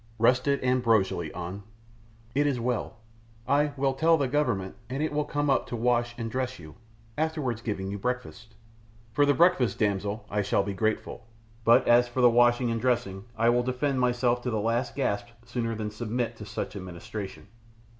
"Rested ambrosially, An." "It is well; I will tell the Government and it will come up to wash and dress you, afterwards giving you breakfast." "For the breakfast, damsel, I shall be grateful, but as for the washing and dressing I will defend myself to the last gasp sooner than submit to such administration."